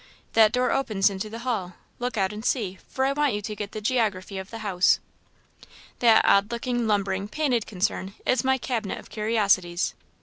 That door opens into the hall; look out and see, for I want you to get the geography of the house. That odd looking, lumbering, painted concern is my cabinet of curiosities.